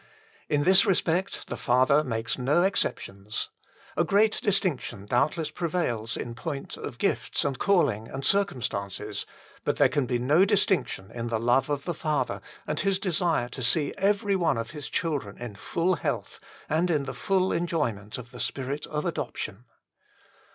In this respect the Father makes no exceptions. A great distinction doubtless prevails in point of gifts, and calling, and circumstances ; but there can be no distinction in the love of the Father and His desire to see every one of His children in full health and in the full enjoyment of the Spirit of adoption.